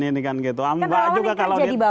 ini kan gitu mbak juga kalau